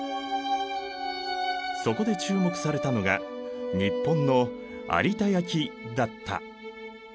そこで注目されたのが日本の有田焼だった。